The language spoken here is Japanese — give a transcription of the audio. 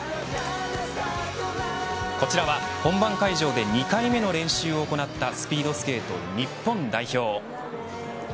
こちらは本番会場で２回目の練習を行ったスピードスケート日本代表。